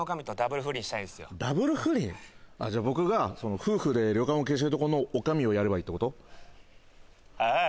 ダブル不倫ああじゃあ僕が夫婦で旅館を経営しているところの女将をやればいいってこと？